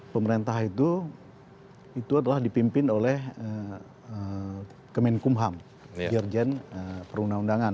pemerintah itu adalah dipimpin oleh kemenkum ham gerjen perundang undangan